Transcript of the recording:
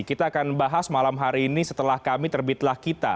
kita akan bahas malam hari ini setelah kami terbitlah kita